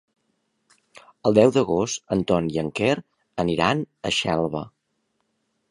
El deu d'agost en Ton i en Quer aniran a Xelva.